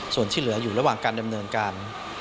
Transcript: ส่วนที่เหลืออยู่ระหว่างการดำเนินการ